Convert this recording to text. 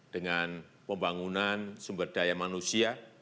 dengan pembangunan sumber daya manusia